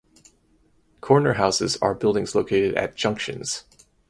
Corner houses are buildings located at junctions.